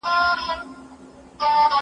زه پرون بازار ته ځم وم!.